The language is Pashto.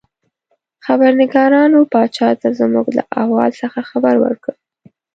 خبرنګارانو پاچا ته زموږ له احوال څخه خبر ورکړ.